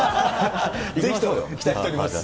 ぜひとも、待っております。